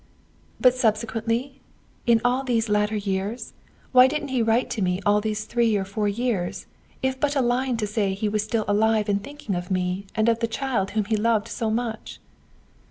"' "'But subsequently? In all these latter years? Why didn't he write to me all these three or four years, if but a line to say that he was still alive and thinking of me, and of the child whom he loved so much?'